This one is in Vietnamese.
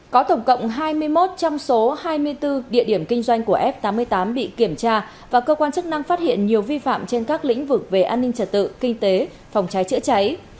có tổng cộng hai mươi một trong số hai mươi bốn địa điểm kinh doanh của f tám mươi tám bị kiểm tra và cơ quan chức năng phát hiện nhiều vi phạm trên các lĩnh vực về an ninh trật tự kinh tế phòng cháy chữa cháy